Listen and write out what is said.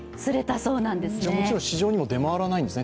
もちろん天然物は市場にも出回らないんですね。